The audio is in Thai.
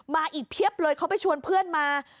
มาอีกเพียบเลยเขาไปชวนเพื่อนมา